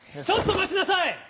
ちょっとまちなさい！